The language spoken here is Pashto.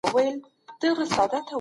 ځان ځاني او استبداد تل زيان رسوي.